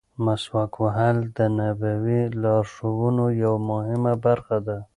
مسواک وهل د نبوي لارښوونو یوه مهمه برخه ده.